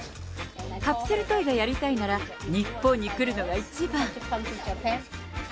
カプセルトイがやりたいなら、日本に来るのが一番。